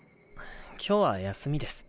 今日は休みです。